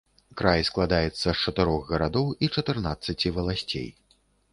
Край складаецца з чатырох гарадоў і чатырнаццаці валасцей.